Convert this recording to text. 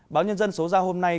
báo nhân dân số ra hôm nay